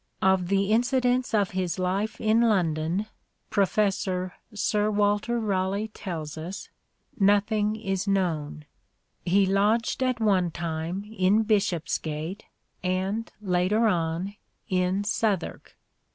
" Of the incidents of his life in London," Professor Absence of Sir Walter Raleigh tells us, " nothing is known." incidents. He lodged at one time in Bishopsgate and, later on, in Southwark.